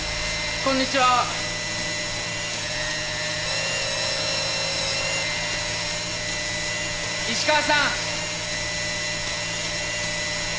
こんにちは石川さん！